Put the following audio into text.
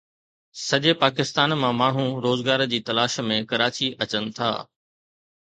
سڄي پاڪستان مان ماڻهو روزگار جي تلاش ۾ ڪراچي اچن ٿا